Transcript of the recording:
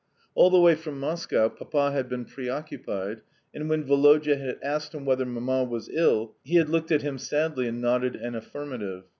All the way from Moscow Papa had been preoccupied, and when Woloda had asked him "whether Mamma was ill" he had looked at him sadly and nodded an affirmative.